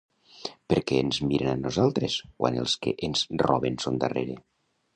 Perquè ens miren a nosaltres quan els que ens roben són darrere.